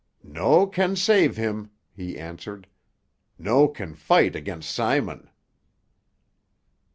"No can save him," he answered. "No can fight against Simon."